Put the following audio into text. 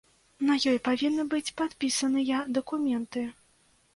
На ёй павінны быць падпісаныя дакументы.